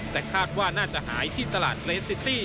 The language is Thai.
แต่คาดว่าน่าจะหายที่ตลาดเรสซิตี้